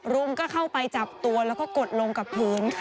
รุมก็เข้าไปจับตัวแล้วก็กดลงกับพื้น